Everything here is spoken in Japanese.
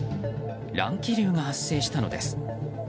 乱気流が発生したのです。